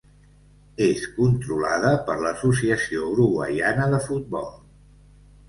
És controlada per l'Associació Uruguaiana de Futbol.